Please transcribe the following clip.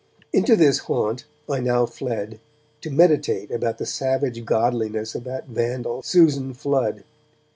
Into this haunt I now fled to meditate about the savage godliness of that vandal, Susan Flood.